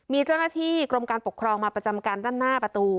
มีเจ้าหน้าที่กรมการปกครองมาประจำการด้านหน้าประตู